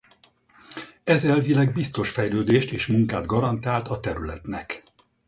Ez elvileg biztos fejlődést és munkát garantált a területnek.